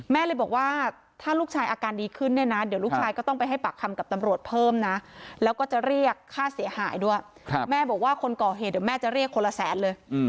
แม่บอกว่าคนก่อเหตุเดี๋ยวแม่จะเรียกคนละแสดเลย